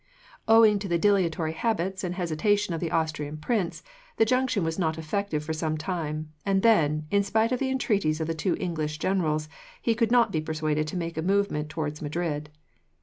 "Owing to the dilatory habits and hesitation of the Austrian prince, the junction was not effected for some time, and then, in spite of the entreaties of the two English generals, he could not be persuaded to make a movement towards Madrid.